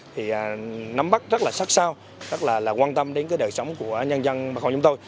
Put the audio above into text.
thì nắm bắt rất là sắc sao rất là quan tâm đến cái đời sống của nhân dân bà con chúng tôi